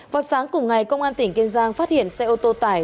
vào sáng cùng ngày công an tỉnh kiên giang phát hiện xe ô tô tải